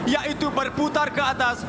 yaitu berputar ke atas